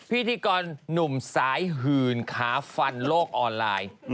พิธีกรหนุ่มสายหื่นขาฟันโลกออนไลน์